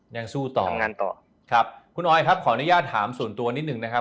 ยังสู้ต่องานต่อครับคุณออยครับขออนุญาตถามส่วนตัวนิดหนึ่งนะครับ